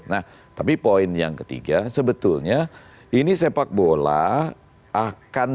nah tapi poin yang ketiga sebetulnya ini sepak bola akan